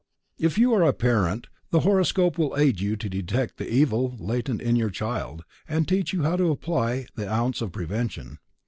If you are a parent the horoscope will aid you to detect the evil latent in your child and teach you how to apply the ounce of prevention.